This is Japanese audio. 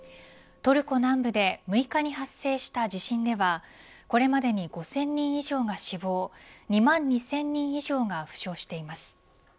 トルコ南部で６日に発生した地震ではこれまでに５０００人以上が死亡２万２０００人以上が負傷しています。